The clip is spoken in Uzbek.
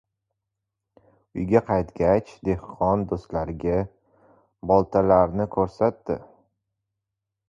Uyga qaytgach, dehqon doʻstlariga boltalarni koʻrsatdi